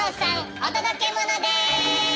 お届けモノです！